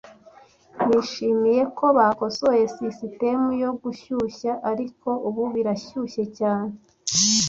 Nishimiye ko bakosoye sisitemu yo gushyushya, ariko ubu birashyushye cyane.